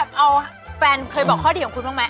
อ้าวเฟนเคยบอกข้อดีของคุณกั๊ย